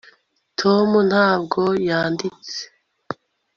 tom ntabwo yanditse